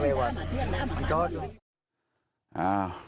เจ้าหรือยังเจ้าหรือยังเจ้าหรือยัง